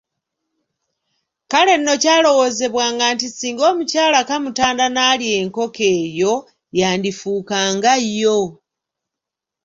Kale nno kyalowoozebwanga nti singa omukyala kamutanda n’alya enkoko eyo yandifuuka nga yo.